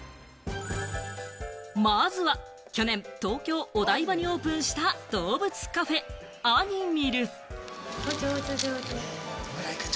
まずは去年、東京・お台場にオープンした動物カフェ・アニミル。